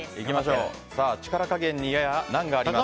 力加減にやや難があります。